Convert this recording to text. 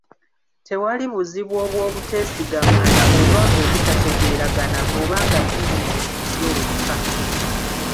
Tewali buzibu obwo butesigangana oba obutategeragana bw’oba nga bizinesi yiyo weka.